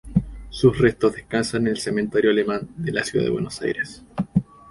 Sus restos descansan en el Cementerio Alemán de la Ciudad de Buenos Aires.